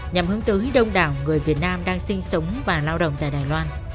nhằm hướng tới đông đảo người việt nam đang sinh sống và lao động tại đài loan